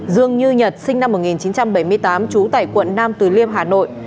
dương như nhật sinh năm một nghìn chín trăm bảy mươi tám trú tại quận nam từ liêm hà nội